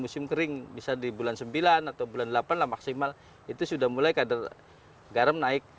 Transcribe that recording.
musim kering bisa di bulan sembilan atau bulan delapan lah maksimal itu sudah mulai kadar garam naik